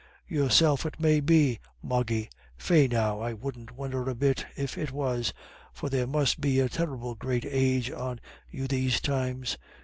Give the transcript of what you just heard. Yourself it may be, Moggy. Faix now, I wouldn't won'er a bit if it was, for there must be a terrible great age on you these times.